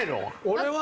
俺は。